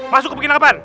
masuk ke pekinapan